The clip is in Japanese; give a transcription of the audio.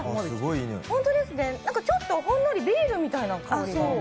ちょっとほんのりビールみたいな香りが。